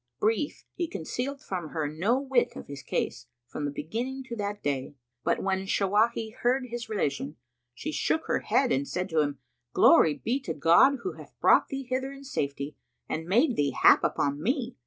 Brief, he concealed from her no whit of his case, from the beginning to that day. But when Shawahi heard his relation, she shook her head and said to him, "Glory be to God who hath brought thee hither in safety and made thee hap upon me!